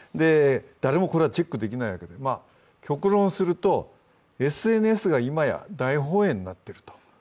誰もこれはチェックできないわけで、極論すると、ＳＮＳがいまや大本営になっていると。